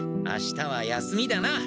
あしたは休みだな。